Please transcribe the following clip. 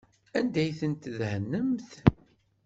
Anda ay ten-tdehnemt?